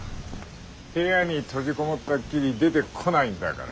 部屋に閉じこもったっきり出てこないんだから。